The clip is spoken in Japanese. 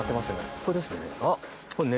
ここですかね。